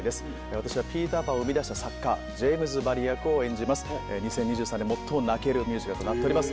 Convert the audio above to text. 私は「ピーターパン」を生み出した作家ジェームズ・バリ役を演じます２０２３年最も泣けるミュージカルとなっております